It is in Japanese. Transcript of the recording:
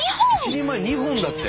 一人前２本だって！